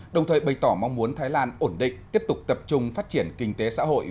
đồng thời bày tỏ mong muốn thái lan ổn định tiếp tục tập trung phát triển kinh tế xã hội